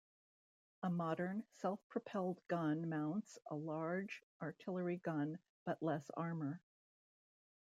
A modern self-propelled gun mounts a large artillery gun but less armour.